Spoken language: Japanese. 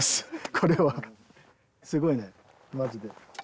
これはすごいねマジで。